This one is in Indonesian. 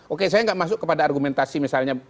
oke saya nggak masuk kepada argumentasi misalnya